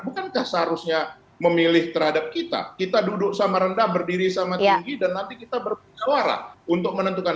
bukankah seharusnya memilih terhadap kita kita duduk sama rendah berdiri sama tinggi dan nanti kita bermusyawarah untuk menentukan